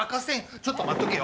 ちょっと待っとけよ。